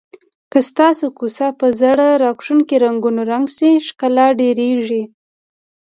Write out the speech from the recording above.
که ستاسو کوڅه په زړه راښکونکو رنګونو رنګ شي ښکلا ډېریږي.